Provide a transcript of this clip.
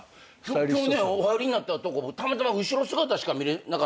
今日ねお入りになったとこたまたま後ろ姿しか見れなかったんですけど。